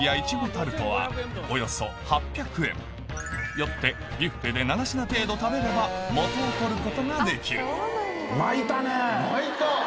よってビュッフェで７品程度食べれば元を取ることができる巻いた！